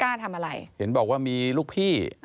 เขาว่ากันว่ากลุ่มวัยรุ่นที่มาร่วมก่อเหตุ